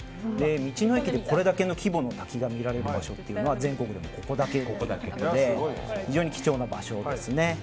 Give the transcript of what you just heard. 道の駅でこれだけの規模の滝が見られる場所って全国でもここだけなので非常に貴重な場所ですね。